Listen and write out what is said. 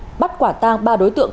vụ bắt quả tang ba đối tượng